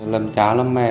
làm cha làm mẹ